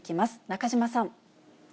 中島さん。